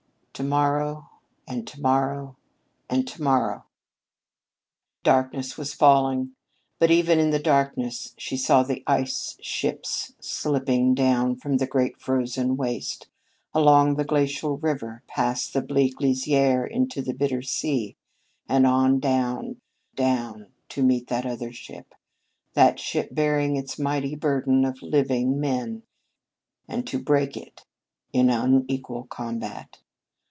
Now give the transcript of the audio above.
"To morrow and to morrow and to morrow " Darkness was falling. But even in the darkness she saw the ice ships slipping down from that great frozen waste, along the glacial rivers, past the bleak lisière, into the bitter sea, and on down, down to meet that other ship that ship bearing its mighty burden of living men and to break it in unequal combat.